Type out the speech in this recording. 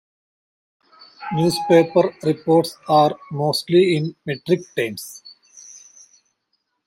Newspaper reports are mostly in metric terms.